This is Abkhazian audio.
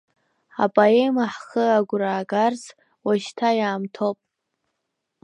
Апоема ҳхы агәра аагарц, уашьҭа иаамҭоуп.